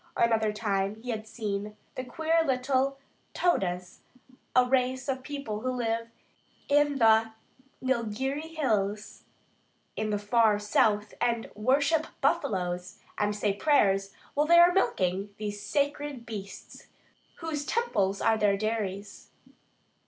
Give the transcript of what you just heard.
Another time he had seen the queer little "Todas," a race of people who live in the Nilgiri Hills in the far south and worship buffaloes, and say prayers while they are milking these sacred beasts, whose temples are their dairies.